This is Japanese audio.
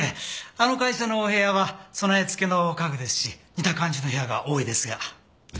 あの会社のお部屋は備え付けの家具ですし似た感じの部屋が多いですが。